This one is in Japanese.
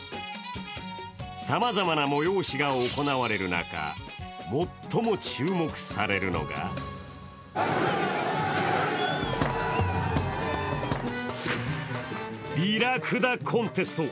さまざまな催しが行われる中、最も注目されるのが美ラクダコンテスト。